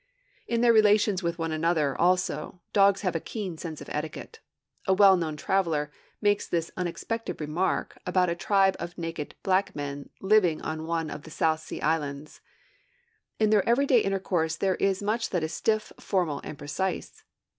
In their relations with one another, also, dogs have a keen sense of etiquette. A well known traveler makes this unexpected remark about a tribe of naked black men, living on one of the South Sea Islands: 'In their everyday intercourse there is much that is stiff, formal, and precise.'